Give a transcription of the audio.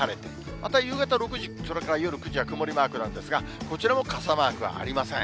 また夕方６時、それから夜９時は曇りマークなんですが、こちらも傘マークはありません。